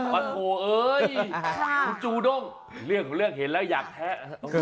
ถ้าอาจเห็นแล้วอยากแท้